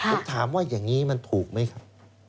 คุณถามว่าอย่างนี้ผูกมั้ยครับ